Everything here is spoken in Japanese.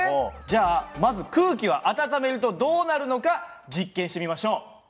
じゃあまず空気は温めるとどうなるのか実験してみましょう。